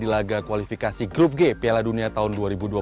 di laga kualifikasi grup g piala dunia tahun dua ribu dua puluh